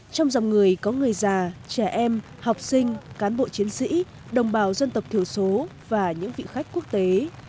trong dòng người có người già trẻ em học sinh cán bộ chiến sĩ đồng bào dân tộc thiểu số và những vị khách quốc tế